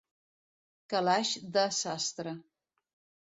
Calaix de sastre.